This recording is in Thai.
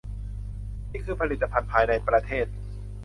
นี่คือผลิตภัณฑ์ภายในประเทศ